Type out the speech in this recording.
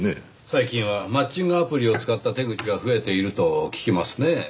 最近はマッチングアプリを使った手口が増えていると聞きますねぇ。